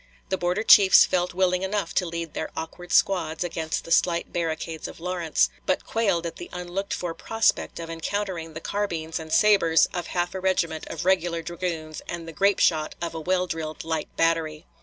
The border chiefs felt willing enough to lead their awkward squads against the slight barricades of Lawrence, but quailed at the unlooked for prospect of encountering the carbines and sabers of half a regiment of regular dragoons and the grape shot of a well drilled light battery.